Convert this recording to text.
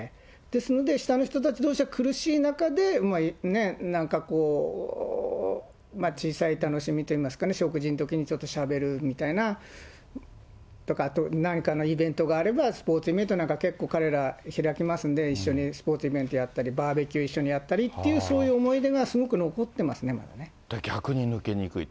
ですので、下の人たちどうしは、苦しい中で、なんかこう、小さい楽しみといいますかね、食事のときにちょっとしゃべるみたいなとか、あと何かのイベントがあれば、スポーツイベントなんか、結構、彼ら開きますので、一緒にスポーツイベントやったり、バーベキュー一緒にやったりという、そういう思い出がすごく残ってますね、逆に抜けにくい。